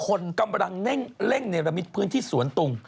คนกำลังแร่งเวลาภื้นที่สวนตุง